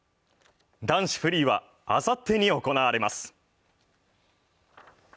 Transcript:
男子フリーはあさってに行われます。